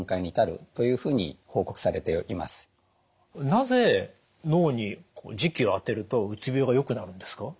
なぜ脳に磁気を当てるとうつ病がよくなるんですか？